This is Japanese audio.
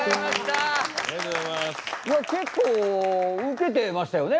結構ウケてましたよね